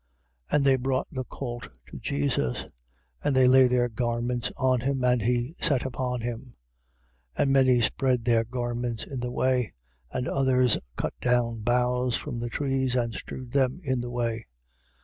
11:7. And they brought the colt to Jesus. And they lay their garments on him: and he sat upon him. 11:8. And many spread their garments in the way: and others cut down boughs from the trees and strewed them in the way.